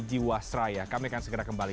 jiwasraya kami akan segera kembali